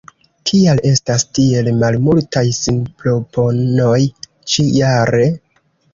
Kial estas tiel malmultaj sinproponoj ĉi-jare?